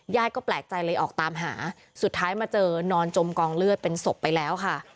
ก็แปลกใจเลยออกตามหาสุดท้ายมาเจอนอนจมกองเลือดเป็นศพไปแล้วค่ะ